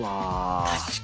確かに。